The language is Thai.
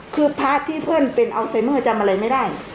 คือภาพที่เป็นอัลเซเมอร์จำอะไรไม่ได้